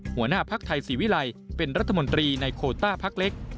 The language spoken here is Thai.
หัวหน้าภักดิ์ไทยศรีวิลัยเป็นรัฐมนตรีในโคต้าพักเล็ก